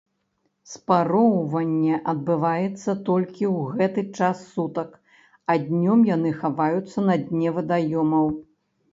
Спароўванне адбываецца толькі ў гэты час сутак, а днём яны хаваюцца на дне вадаёмаў.